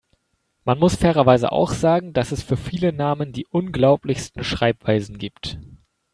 Man muss fairerweise auch sagen, dass es für viele Namen die unglaublichsten Schreibweisen gibt.